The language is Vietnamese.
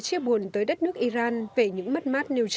chia buồn tới đất nước iran về những mất mát nêu trên